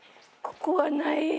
ここはない。